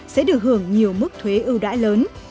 sẽ được hưởng nhiều mức thuế ưu đãi lớn